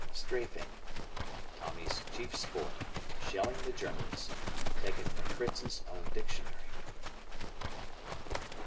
"Strafeing." Tommy's chief sport shelling the Germans. Taken from Fritz's own dictionary.